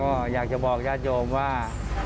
ก็อยากจะบอกญาติโยมว่า